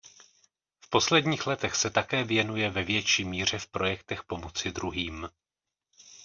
V posledních letech se také věnuje ve větší míře v projektech pomoci druhým.